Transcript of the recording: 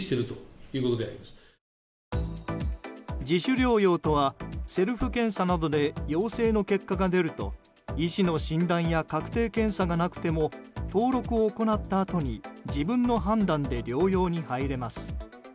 自主療養とはセルフ検査などで陽性の結果が出ると医師の診断や確定検査がなくても登録を行ったあとに自分の判断で療養に入れます。